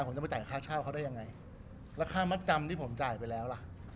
ผมจะไปจ่ายค่าเช่าเขาได้ยังไงแล้วค่ามัดจำที่ผมจ่ายไปแล้วล่ะ